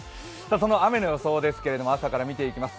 その雨の予想ですけれども、朝から見ていきます。